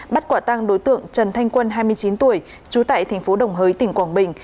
bắt quả tăng đối tượng trần thanh quân hai mươi chín tuổi trú tại thành phố đồng hới tỉnh quảng bình